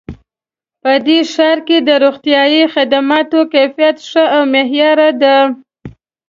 په دې ښار کې د روغتیایي خدماتو کیفیت ښه او معیاري ده